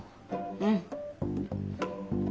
うん。